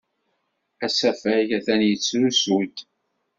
Asafag atan yettrusu-d.